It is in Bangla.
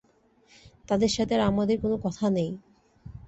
তাদের সাথে আর আমাদের কোনো কথা নেই।